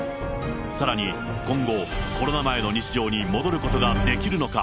さらに今後、コロナ前の日常に戻ることができるのか。